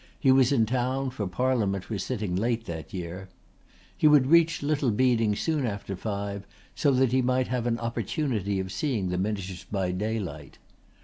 He was in town, for Parliament was sitting late that year. He would reach Little Beeding soon after five so that he might have an opportunity of seeing the miniatures by daylight.